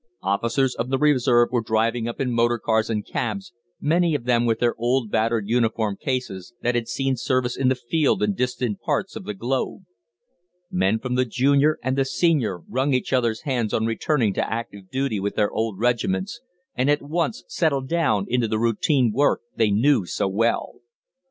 Officers of the Reserve were driving up in motor cars and cabs, many of them with their old battered uniform cases, that had seen service in the field in distant parts of the globe. Men from the "Junior" and the "Senior" wrung each other's hands on returning to active duty with their old regiments, and at once settled down into the routine work they knew so well.